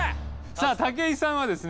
さあ武井さんはですね